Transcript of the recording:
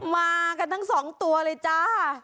มากันทั้งสองตัวเลยจ้า